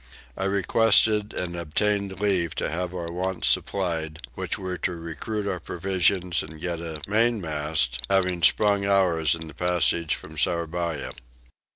I requested and obtained leave to have our wants supplied, which were to recruit our provisions, and to get a any mainmast, having sprung ours in the passage from Sourabaya.